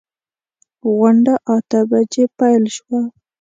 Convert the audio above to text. غونډه اته بجې پیل شوه.